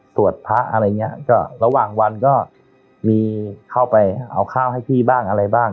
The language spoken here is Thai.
พระอะไรอย่างเงี้ยก็ระหว่างวันก็มีเข้าไปเอาข้าวให้พี่บ้างอะไรบ้าง